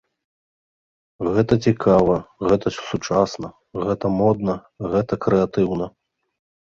Гэта цікава, гэта сучасна, гэта модна, гэта крэатыўна.